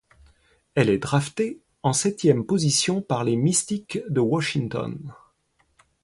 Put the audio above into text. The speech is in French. Elle est draftée en septième position par les Mystics de Washington.